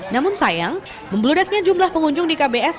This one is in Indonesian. namun sayang membeludatnya jumlah pengunjung di kps